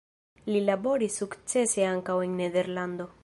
Li laboris sukcese ankaŭ en Nederlando.